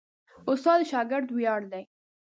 استاد د شاګرد ویاړ دی.